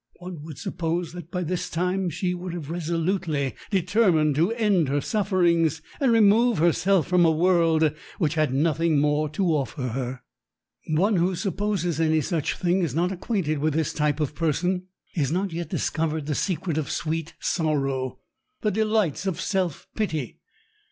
One would suppose that by this time she would have resolutely determined to end her sufferings and remove herself from a world which had nothing more to offer her. One who supposes any such thing is not acquainted with this type of person. He has not yet discovered the secret of "sweet sorrow," the delights of self pity.